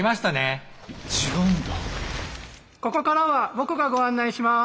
ここからは僕がご案内します！